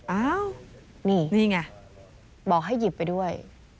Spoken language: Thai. อ้าวนี่นี่ไงบอกให้หยิบไปด้วย